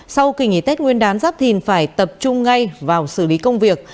sau kỳ nghỉ tết nguyên đán giáp thìn phải tập trung ngay vào xử lý công việc